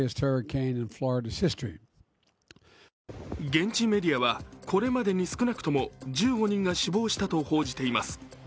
現地メディアはこれまでに少なくとも１５人が死亡したと報じています。